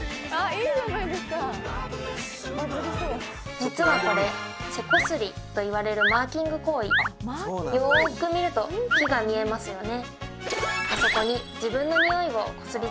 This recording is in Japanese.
実はこれ背こすりといわれるマーキング行為よーく見ると木が見えますよね